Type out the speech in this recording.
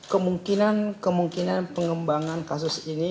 kemungkinan pengembangan kasus ini